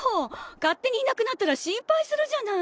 勝手にいなくなったら心配するじゃない！